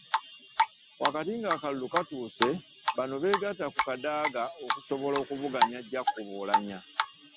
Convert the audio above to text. Wakati ng’akalulu katuuse, bano beegatta ku Kadaga okusobola okuvuganya Jacob Oulanyah.